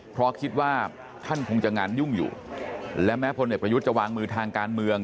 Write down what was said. เพราะคิดว่าท่านคงจะงานยุ่งอยู่และแม้พลเอกประยุทธ์จะวางมือทางการเมือง